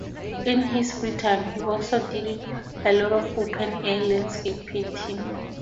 In his free time he also did a lot of "open air" landscape painting.